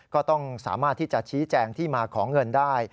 ก็ต้องสามารถที่จะชี้แจงที่มาของเงินได้